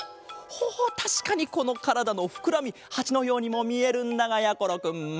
ほほたしかにこのからだのふくらみハチのようにもみえるんだがやころくんまたまたハズレット！